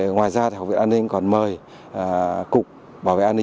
ngoài ra học viện an ninh còn mời cục bảo vệ an ninh